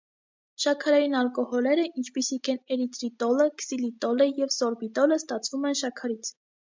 Շաքարային ալկոհոլերը, ինչպիսիք են էրիթրիտոլը, քսիլիտոլը և սորբիտոլը, ստացվում են շաքարից։